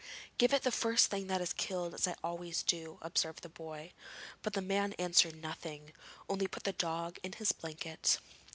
'Give it the first thing that is killed as I always do,' observed the boy, but the man answered nothing, only put the dog in his blanket.